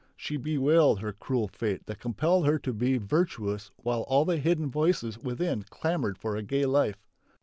She bewailed her cruel fate that compelled her to be virtuous while all the hidden voices within clamoured for a gay life.